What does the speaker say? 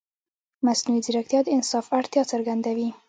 مصنوعي ځیرکتیا د انصاف اړتیا څرګندوي.